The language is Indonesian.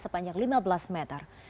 sepanjang lima belas meter